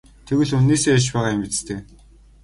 Тэгвэл үнэнээсээ ярьж байгаа юм биз дээ?